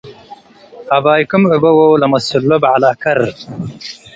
አባይኩም እበዎ - ለመስሎ በዐል አከር